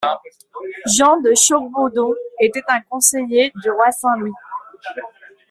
Jean de Champbaudon était un conseiller du roi Saint-Louis.